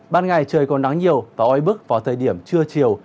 ban ngày trời còn nắng nhiều và oi bức vào thời điểm trưa chiều